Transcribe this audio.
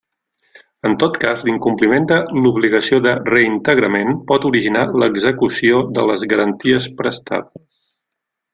En tot cas, l'incompliment de l'obligació de reintegrament pot originar l'execució de les garanties prestades.